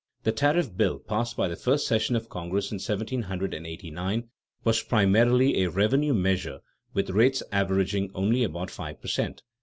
_ The tariff bill passed by the first session of Congress in 1789 was primarily a revenue measure with rates averaging only about five per cent.